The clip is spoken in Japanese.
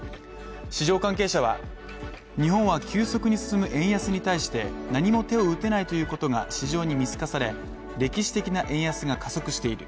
市場関係者は、日本は急速に進む円安に対して何も手を打てないということが市場に見透かされ、歴史的な円安が加速している。